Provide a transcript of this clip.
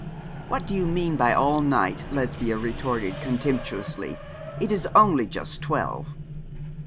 'What do you mean by all night?' Lesbia retorted, contemptuously; 'it is only just twelve.'